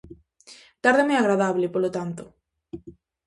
Tarde moi agradable, polo tanto.